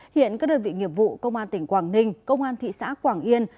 hiện các đơn vị nghiệp vụ công an tỉnh quảng ninh công an thị xã quảng yên